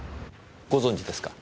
ご存じですか？